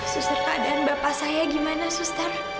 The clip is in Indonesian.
suster keadaan bapak saya gimana suster